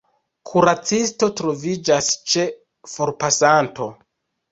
Kuracisto troviĝas ĉe forpasanto.